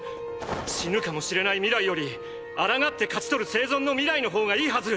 死ぬかもしれない未来より抗って勝ちとる生存の未来の方がいいはず！